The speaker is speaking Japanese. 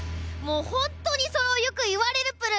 本当にそれをよく言われるプル。